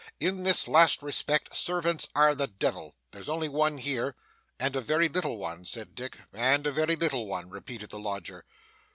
In this last respect, servants are the devil. There's only one here.' 'And a very little one,' said Dick. 'And a very little one,' repeated the lodger.